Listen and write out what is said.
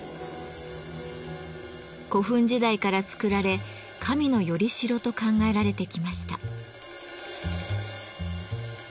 古墳時代から作られ神の「依代」と考えられてきました。